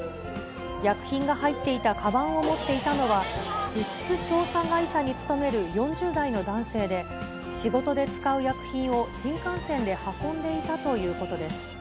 薬品が入っていたかばんを持っていたのは、地質調査会社に勤める４０代の男性で、仕事で使う薬品を新幹線で運んでいたということです。